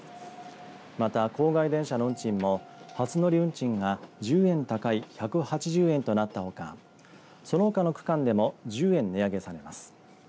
また郊外電車の運賃も初乗り運賃が１０円高い１８０円となったほかそのほかの区間でも１０円値上げされます。